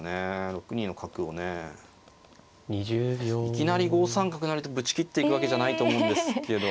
いきなり５三角成とぶち切っていくわけじゃないと思うんですけど。